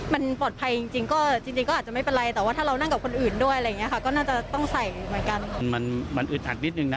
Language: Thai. มันปลอดภัยจริงจริงก็อาจจะไม่เป็นไร